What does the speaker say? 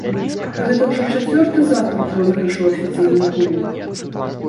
Гэта ўжо чацвёрты запар пройгрыш у афіцыйных гульнях.